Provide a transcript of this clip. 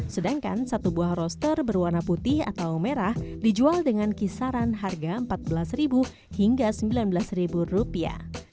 sedangkan satu buah roster berwarna putih atau merah dijual dengan kisaran harga empat belas hingga sembilan belas rupiah